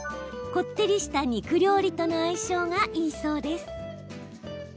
こってりした肉料理との相性がいいそうです。